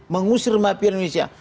mengusir mafia indonesia